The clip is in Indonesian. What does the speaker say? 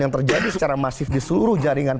yang terjadi secara masif di seluruh jaringan